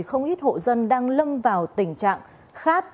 không ít hộ dân đang lâm vào tình trạng khát